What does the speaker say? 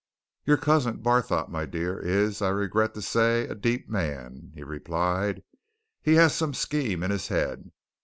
"Your cousin, Barthorpe, my dear, is, I regret to say, a deep man," he replied. "He has some scheme in his head.